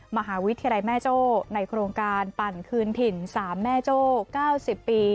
มหาวิทยาลัยแม่โจ้ในโครงการปั่นคืนถิ่น๓แม่โจ้๙๐ปี